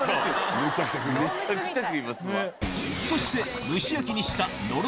「めちゃくちゃ食います」。